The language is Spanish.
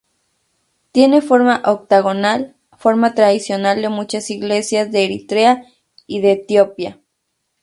Tiene forma octagonal, forma tradicional de muchas iglesias de Eritrea y de Etiopía.